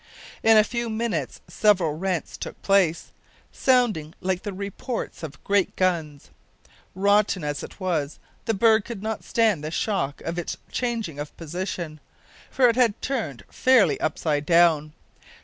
In a few minutes several rents took place, sounding like the reports of great guns. Rotten as it was, the berg could not stand the shock of its change of position, for it had turned fairly upside down.